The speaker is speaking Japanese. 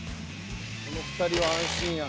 この２人は安心や。